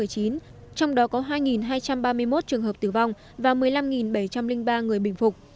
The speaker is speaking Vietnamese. trong đó có hai hai trăm ba mươi một trường hợp tử vong và một mươi năm bảy trăm linh ba người bình phục